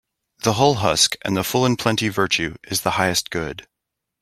The hull husk and the full in plenty Virtue is the highest good.